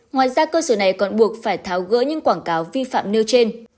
ngoài ra cơ sở này còn buộc phải tháo gỡ những quảng cáo vi phạm nêu trên